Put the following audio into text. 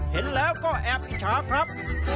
เห็นแล้วก็แอบอิจฉาครับ